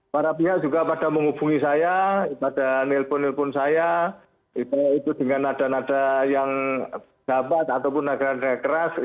para pihak juga pada menghubungi saya pada nelpon nelpon saya itu dengan nada nada yang dapat ataupun nada nada keras